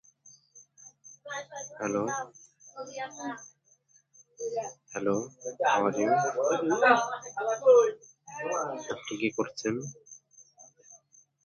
এর আশেপাশের ছোট শহরটি এখন তার সম্মানে "বম্পল্যান্ড" নামে পরিচিত।